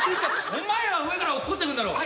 お前は上から落っこってくる！